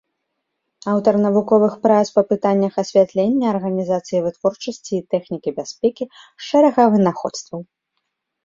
Аўтар навуковых прац па пытаннях асвятлення, арганізацыі вытворчасці і тэхнікі бяспекі, шэрага вынаходстваў.